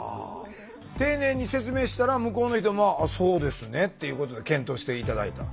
丁寧に説明したら向こうの人も「あそうですね」っていうことで検討して頂いた。